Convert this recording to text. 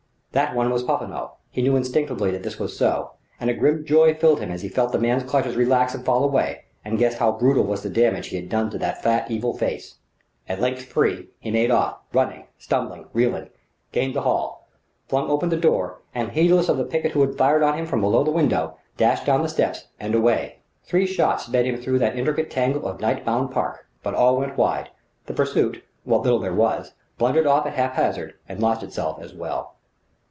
That one was Popinot; he knew instinctively that this was so; and a grim joy filled him as he felt the man's clutches relax and fall away, and guessed how brutal was the damage he had done that fat, evil face. At length free, he made off, running, stumbling, reeling: gained the hall; flung open the door; and heedless of the picket who had fired on him from below the window, dashed down the steps and away.... Three shots sped him through that intricate tangle of night bound park. But all went wide; the pursuit what little there was blundered off at hap hazard and lost itself, as well.